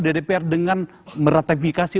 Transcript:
di dpr dengan meratifikasi